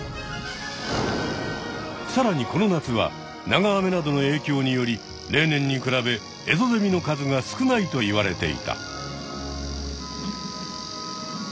さらにこの夏は長雨などの影響により例年に比べエゾゼミの数が少ないといわれていた。